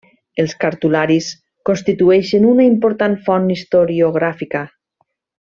Els cartularis constitueixen una important font historiogràfica.